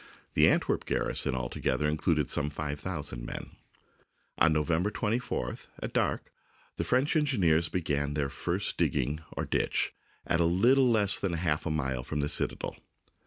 The Ant werp garrison altogether included some five thou sand men. On November 24th, at dark, the French engi neers began their first digging or ditch, at a little less than half a mile from the citadel.